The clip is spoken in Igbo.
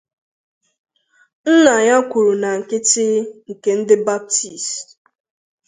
Nnà ya kwuru na ñkịtị nke ndi Baptist.